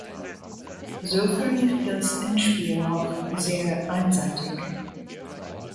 So verlief das Endspiel auch sehr einseitig.